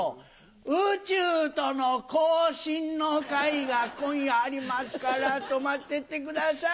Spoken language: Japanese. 宇宙との交信の会が今夜ありますから泊まってってください。